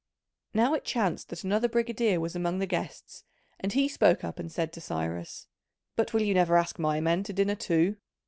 Now it chanced that another brigadier was among the guests, and he spoke up and said to Cyrus: "But will you never ask my men to dinner too?